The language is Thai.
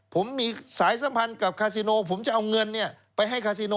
ผมมีสายสัมพันธ์กับคาซิโนผมจะเอาเงินไปให้คาซิโน